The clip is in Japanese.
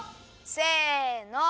せの。